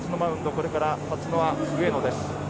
これから立つのは上野です。